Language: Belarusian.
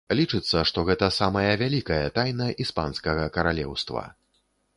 Лічыцца, што гэта самая вялікая тайна іспанскага каралеўства.